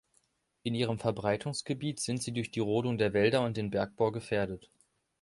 In ihrem Verbreitungsgebiet sind sie durch die Rodung der Wälder und den Bergbau gefährdet.